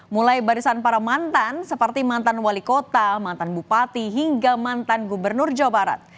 mulai barisan para mantan seperti mantan wali kota mantan bupati hingga mantan gubernur jawa barat